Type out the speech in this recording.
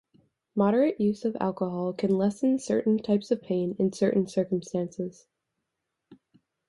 Moderate use of alcohol can lessen certain types of pain in certain circumstances.